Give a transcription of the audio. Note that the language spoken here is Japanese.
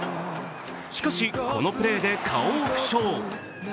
しかし、このプレーで顔を負傷。